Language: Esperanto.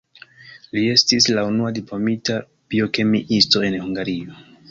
Li estis la unua diplomita biokemiisto en Hungario.